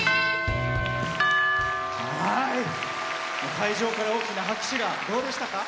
会場から大きな拍手がどうでしたか？